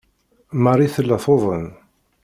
Marie tella tuḍen.